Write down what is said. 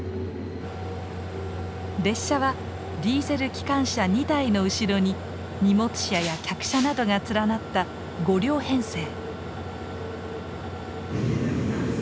列車はディーゼル機関車２台の後ろに荷物車や客車などが連なった５両編成。